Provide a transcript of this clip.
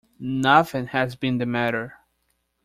Nothing has been the matter.